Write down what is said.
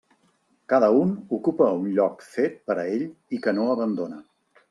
Cada un ocupa un lloc fet per a ell i que no abandona.